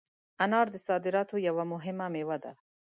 انار د صادراتو یوه مهمه مېوه ده.